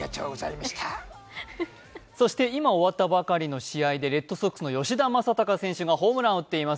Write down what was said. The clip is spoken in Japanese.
そして今終わったばかりの試合でレッドソックスの吉田正尚選手がホームランを打っています。